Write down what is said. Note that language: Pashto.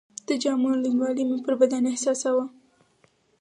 د جامو لوندوالی مې پر بدن احساساوه.